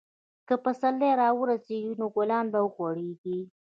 که پسرلی راورسیږي، نو ګلان به وغوړېږي.